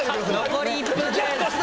残り１分です。